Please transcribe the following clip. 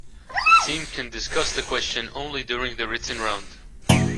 The team can discuss the question only during the written round.